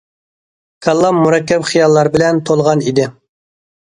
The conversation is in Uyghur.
كاللام مۇرەككەپ خىياللار بىلەن تولغان ئىدى.